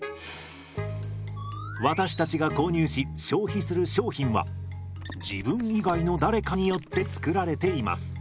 私たちが購入し消費する商品は自分以外の誰かによって作られています。